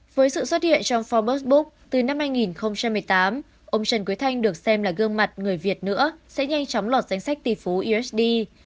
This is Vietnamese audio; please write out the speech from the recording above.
với sự xuất hiện trong forbes book từ năm hai nghìn một mươi tám ông trần quý thanh được xem là gương mặt người việt nữa sẽ nhanh chóng lọt danh sách tỷ phú esd